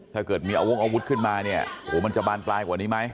ถ้าเกิดมีอาวงอาวุธขึ้นมาเนี่ยโหมันจะบานปลายกว่านี้ไหม